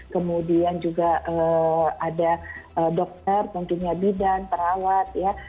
kemudian juga ada dokter tentunya bidan perawat ya